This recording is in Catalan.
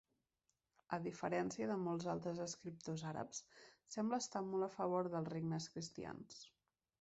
A diferència de molts altres escriptors àrabs, sembla estar molt a favor dels regnes cristians.